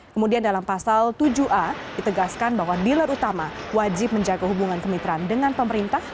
kemudian dalam pasal tujuh a ditegaskan bahwa dealer utama wajib menjaga hubungan kemitraan dengan pemerintah